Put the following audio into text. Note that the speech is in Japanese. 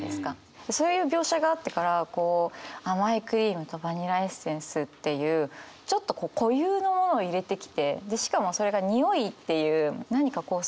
そういう描写があってからこう甘いクリームとバニラエッセンスっていうちょっと固有のものを入れてきてしかもそれが匂いっていう。